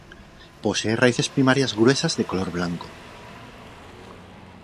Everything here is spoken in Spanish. Posee raíces primarias gruesas de color blanco.